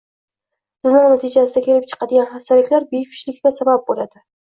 Zino natijasida kelib chiqadigan xastaliklar bepushtlikka sabab bo‘ladi.